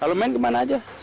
kalau main kemana aja